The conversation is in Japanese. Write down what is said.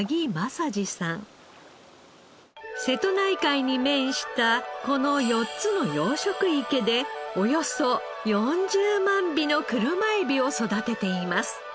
瀬戸内海に面したこの４つの養殖池でおよそ４０万尾の車エビを育てています。